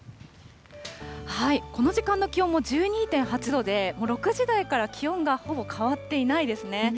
この時間の気温も１２．８度で、もう６時台から気温がほぼ変わっていないですね。